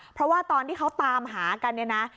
เพราะตอนที่เขาตามหากัน